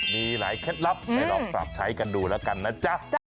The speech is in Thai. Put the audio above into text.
มีหลายเคล็ดลับไปลองปรับใช้กันดูแล้วกันนะจ๊ะ